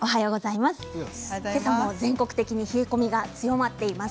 今朝も全国的に冷え込みが強まっています。